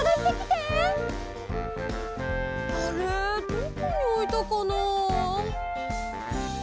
どこにおいたかなあ。